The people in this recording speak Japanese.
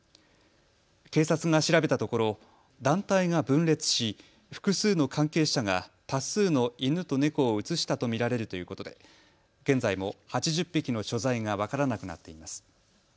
警察が調べたところ団体が分裂し複数の関係者が多数の犬と猫を移したと見られるということで現在も８０匹の所在が分からなくなっています。